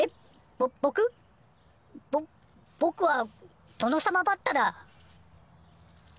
ぼぼくはトノサマバッタだ！